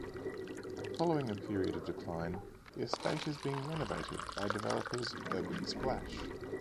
Following a period of decline, the estate is being renovated by developers Urban Splash.